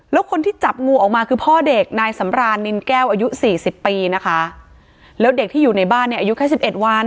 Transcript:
แล้วคนที่จับงูออกมาคือพ่อเด็กนายสำรานนินแก้วอายุสี่สิบปีนะคะแล้วเด็กที่อยู่ในบ้านเนี่ยอายุแค่สิบเอ็ดวัน